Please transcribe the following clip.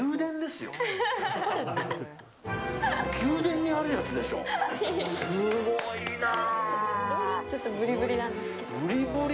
すごいな。